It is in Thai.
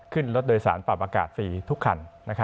ขึ้นรถโดยสารปรับอากาศฟรีทุกคัน